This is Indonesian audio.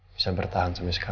bisa bertahan sampai sekarang